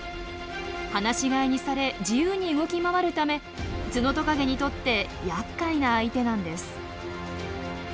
放し飼いにされ自由に動き回るためツノトカゲにとってやっかいな相手なんです。